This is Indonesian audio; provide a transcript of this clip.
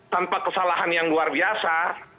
tanpa kesalahan yang luar biasa